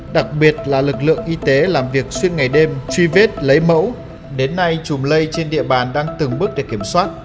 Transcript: đặc biệt là lực lượng y tế làm việc xuyên ngày đêm truy vết lấy mẫu đến nay chùm lây trên địa bàn đang từng bước được kiểm soát